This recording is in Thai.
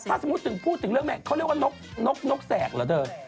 ถ้าสมมุติถึงพูดถึงเรื่องแม่เขาเรียกว่านกแสกเหรอเธอ